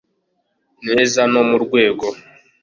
neza no mu rwego